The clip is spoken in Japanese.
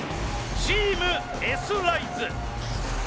チームＳライズ。